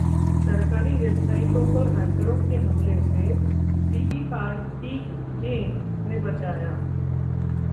सरकारी वेबसाइटों पर हैंकरों के हमले से सीईआरटी-के ने बचाया